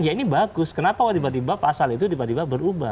ya ini bagus kenapa tiba tiba pasal itu tiba tiba berubah